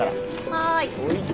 はい。